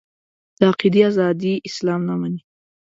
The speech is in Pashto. د عقیدې ازادي اسلام نه مني.